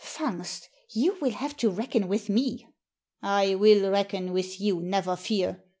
" Fungst, you will have to reckon with me." " I will reckon with you, never fear.